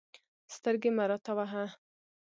سترګې مه راته وهه.